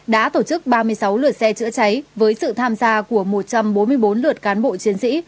đã tổ chức ba mươi sáu lượt xe chữa cháy với sự tham gia của một trăm bốn mươi bốn lượt cán bộ chiến sĩ